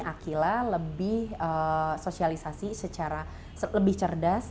akila lebih sosialisasi secara lebih cerdas